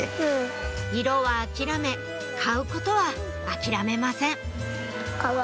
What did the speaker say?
色は諦め買うことは諦めません